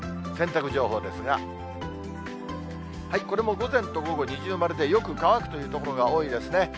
洗濯情報ですが、これも午前と午後、二重丸でよく乾くという所が多いですね。